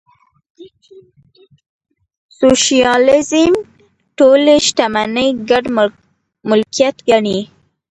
سوشیالیزم ټولې شتمنۍ ګډ ملکیت ګڼي.